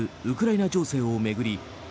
ウクライナ情勢を巡り